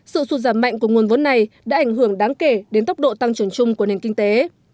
sự sụt giảm mạnh của nguồn vốn này đã ảnh hưởng đáng kể đến tốc độ tăng trưởng chung của nền kinh tế